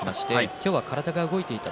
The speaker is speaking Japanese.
今日は体が動いていた。